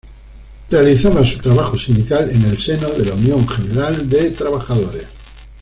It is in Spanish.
Realizaba su trabajo sindical en el seno de la Unión General de Trabajadores.